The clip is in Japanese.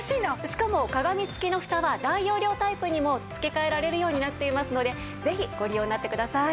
しかも鏡付きのふたは大容量タイプにも付け替えられるようになっていますのでぜひご利用になってください。